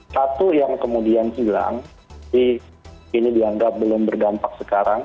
satu yang kemudian hilang ini dianggap belum berdampak sekarang